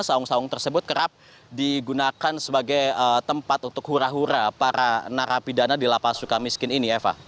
saung saung tersebut kerap digunakan sebagai tempat untuk hura hura para narapidana di lapas suka miskin ini eva